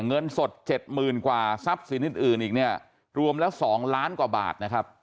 เงินสดเจ็ดหมื่นกว่าทรัพย์สินิทอีกรวมละ๒ล้านกว่าบาท